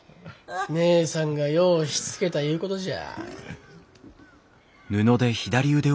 義姉さんがようしつけたいうことじゃ。